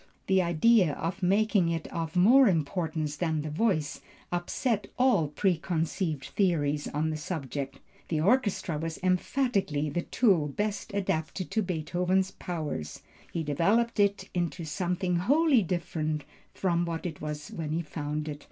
The idea of making it of more importance than the voice, upset all preconceived theories on the subject. The orchestra was emphatically the tool best adapted to Beethoven's powers; he developed it into something wholly different from what it was when he found it.